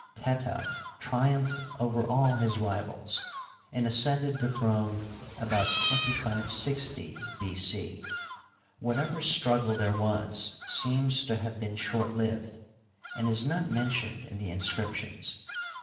Teta triumphed over all his rivals, and ascended the throne about 2560 B. c. (?) Whatever struggle there was seems to have been short lived, and is not mentioned in the inscriptions.